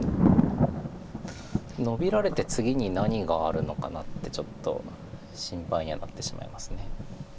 でもノビられて次に何があるのかなってちょっと心配にはなってしまいます。